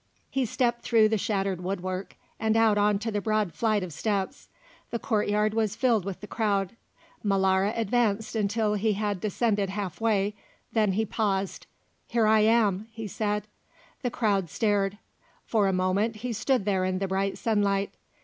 He stepped through the shattered woodwork and out on the broad flight of steps. The courtyard was filled with the crowd. Molara advanced until he had descended half way; then he paused. "Here I am," he said. The crowd stared. For a moment he stood there in the bright sunlight.